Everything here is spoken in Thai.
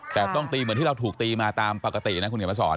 แต่ต้องตีเหมือนที่เราถูกตีมาตามปกตินะคุณเขียนมาสอน